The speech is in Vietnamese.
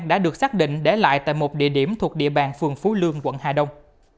đã được xác định để lại tại một địa điểm thuộc địa bàn phường phú lương quận hà đông